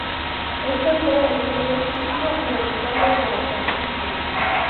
Este fue el primer título en la historia de la franquicia.